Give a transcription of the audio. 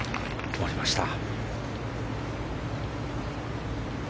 止まりました。